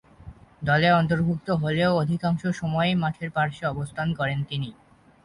দলে অন্তর্ভুক্ত হলেও অধিকাংশ সময়ই মাঠের পার্শ্বে অবস্থান করেন তিনি।